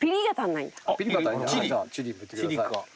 じゃあチリもいってください。